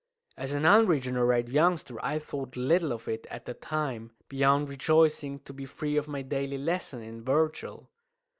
As an unregenerate youngster I thought little of it at the time, beyond rejoicing to be free of my daily lesson in Virgil.